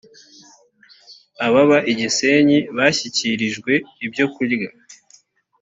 ababa igisenyi bashyikirijwe ibyo kurya.